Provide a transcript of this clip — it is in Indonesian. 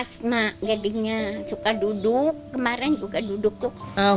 asma jadinya suka duduk kemarin juga duduk tuh